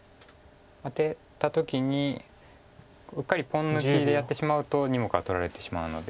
アテた時にうっかりポン抜きでやってしまうと２目は取られてしまうので。